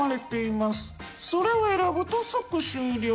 それを選ぶと即終了。